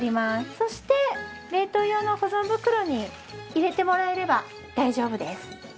そして冷凍用の保存袋に入れてもらえれば大丈夫です。